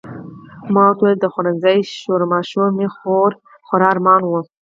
ما ورته وویل د خوړنځای شورماشور مې خورا ارمان و.